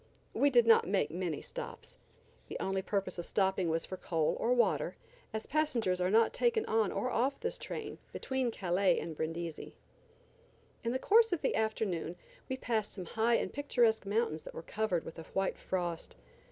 We did not make many stops. The only purpose of stopping was for coal or water, as passengers are not taken on or off this train between Calais and Brindisi. In the course of the afternoon we passed some high and picturesque mountains that were covered with a white frost.